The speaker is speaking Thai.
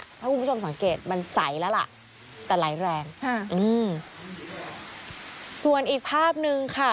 เพราะคุณผู้ชมสังเกตมันใสแล้วล่ะแต่ไหลแรงค่ะอืมส่วนอีกภาพหนึ่งค่ะ